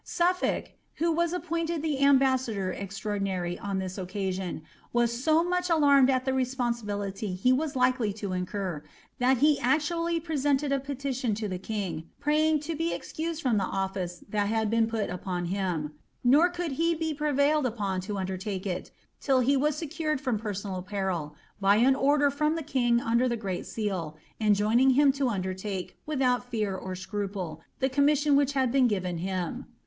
Sufiblk, who was appointed the ambassador extraordinary on this oecasion, was so much alarmed at the responsibility he was likely to incur, that he actually presented a petition to the king, praying to be excused from the office that had been put upon him;' nor could he be peTailed upon to undertake it, till he was secured from personal peril, oy an order from the king under the great seal, enjoining him to under lie, without fear or scruple, the commission which had been given him.